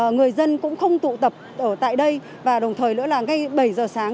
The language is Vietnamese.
người dân cũng không tụ tập ở tại đây và đồng thời nữa là ngay bảy giờ sáng